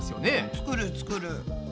作る作る。